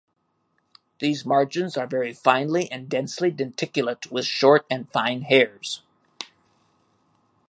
These margins are very finely and densely denticulate with short and fine hairs.